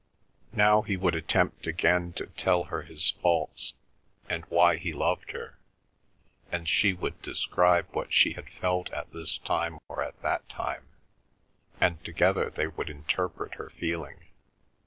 Now he would attempt again to tell her his faults, and why he loved her; and she would describe what she had felt at this time or at that time, and together they would interpret her feeling.